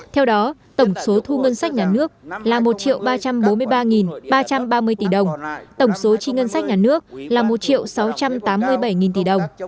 theo đó tổng số thu ngân sách nhà nước là một ba trăm bốn mươi ba ba trăm ba mươi tỷ đồng tổng số chi ngân sách nhà nước là một sáu trăm tám mươi bảy tỷ đồng